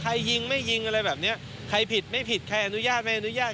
ยิงไม่ยิงอะไรแบบเนี้ยใครผิดไม่ผิดใครอนุญาตไม่อนุญาต